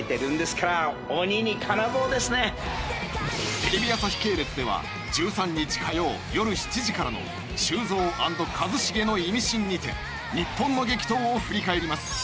テレビ朝日系列では１３日火曜よる７時からの『修造＆一茂のイミシン』にて日本の激闘を振り返ります。